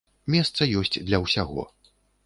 Месца ёсць для ўсяго.